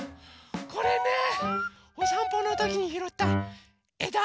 これねおさんぽのときにひろったえだ。